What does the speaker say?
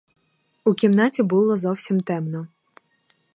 У кімнаті було зовсім темно.